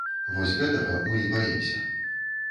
Вось гэтага мы і баімся.